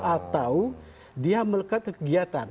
atau dia melekat ke kegiatan